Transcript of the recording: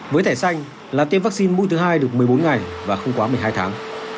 với thẻ xanh là tiêm vaccine mũi thứ hai được một mươi bốn ngày và không quá một mươi hai tháng